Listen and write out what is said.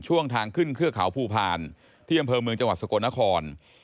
ช่วงทางขึ้นเครือขาวภูพานที่ดำเภอเมืองจังหวัดสกลนคร